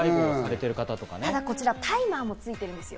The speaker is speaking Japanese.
ただこちらタイマーもついてるんです。